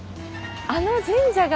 あの神社が。